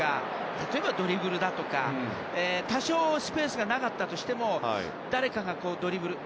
例えば、ドリブルだとか多少スペースがなかったとしても誰かがドリブル。